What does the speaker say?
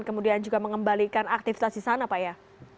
kemudian juga mengembalikan aktivitas di sana pak ya